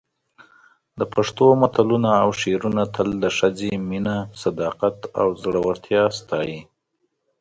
د پښتو متلونه او شعرونه تل د ښځې مینه، صداقت او زړورتیا ستایي.